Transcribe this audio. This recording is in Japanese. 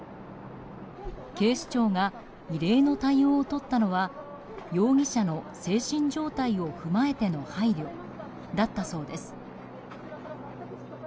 警視庁が異例の対応をとったのは容疑者の精神状態を踏まえての配慮だったそうです。